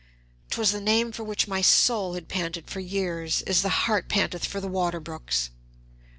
'Twas the name for which my soul had panted for years, as the hart panteth for the water brooks.